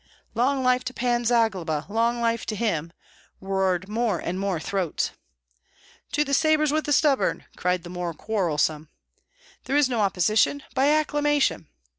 "Long life to Pan Zagloba! long life to him!" roared more and more throats. "To the sabres with the stubborn!" cried the more quarrelsome. "There is no opposition! By acclamation!"